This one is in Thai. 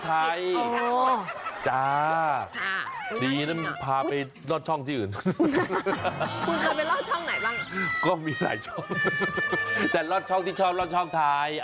แต่รอดช่องที่ชอบลอดช่องไทย